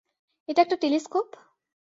এটা একটা টেলিস্কোপ!